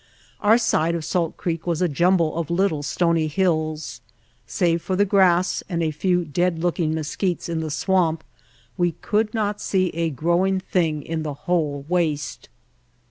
Our side of Salt Creek was a jumble of little stony hills. Save for the grass and a few dead looking mes quites in the swamp we could not see a growing thing in the whole waste.